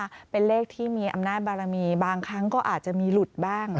เป็นเลขที่มีอำนาจบารมีบางครั้งก็อาจจะมีหลุดบ้าง